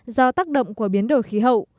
do tác động của biến đổi khí hậu